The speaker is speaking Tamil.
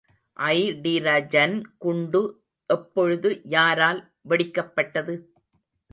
அய்டிரஜன் குண்டு எப்பொழுது யாரால் வெடிக்கப்பட்டது?